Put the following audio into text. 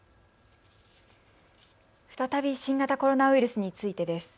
再び新型コロナウイルスについてです。